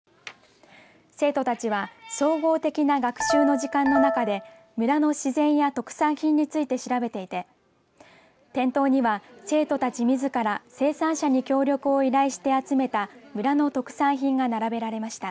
生徒たちは総合的な学習の時間の中で村の自然や特産品について調べていて店頭には生徒たちみずから生産者に協力を依頼して集めた村の特産品が並べられました。